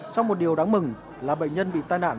sau một điều đáng mừng là bệnh nhân bị tai nạn